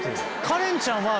カレンちゃんは？